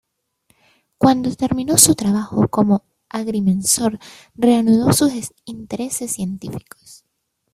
Cuando terminó su trabajo como agrimensor, reanudó sus intereses científicos.